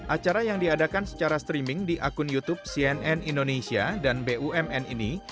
acara yang diadakan secara streaming di akun youtube cnn indonesia dan bumn ini